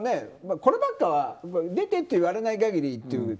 こればっかりは出てと言われない限りというか。